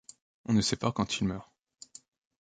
On ne sait pas quand il meurt.